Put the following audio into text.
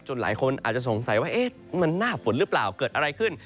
หลายคนอาจจะสงสัยว่ามันหน้าฝนหรือเปล่าเกิดอะไรขึ้น